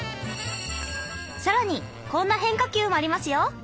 更にこんな変化球もありますよ！